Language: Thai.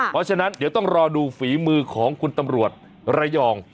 เพราะฉะนั้นเดี๋ยวต้องรอดูฝีมือของคุณตำรวจระยอง